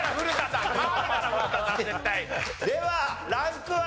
ではランクは？